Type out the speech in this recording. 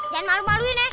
jangan malu maluin ya